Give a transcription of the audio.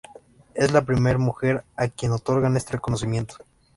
Es la primera mujer a quien otorgan este reconocimiento.